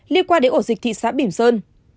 liên quan đến ổ dịch thị xã bỉm sơn